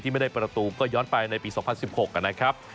ไม่ได้ประตูก็ย้อนไปในปี๒๐๑๖นะครับ